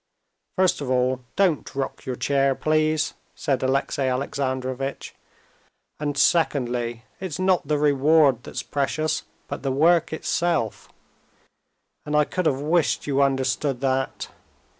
"First of all, don't rock your chair, please," said Alexey Alexandrovitch. "And secondly, it's not the reward that's precious, but the work itself. And I could have wished you understood that.